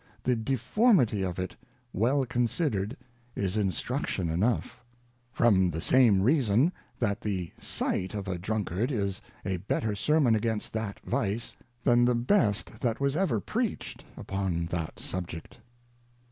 The Deformity of it, well considered, is Instruction enough ; from the same reason, that the sight of a Drunkard is a better Sermon against that Vice, than the best that was ever preach'd upon that Subject.